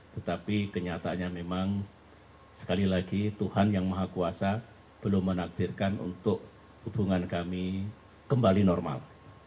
tetapi kenyataannya memang sekali lagi tuhan yang maha kuasa belum menakdirkan untuk hubungan kami kembali normal